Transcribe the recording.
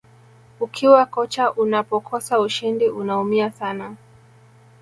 ukiwa kocha unapokosa ushindi unaumia sana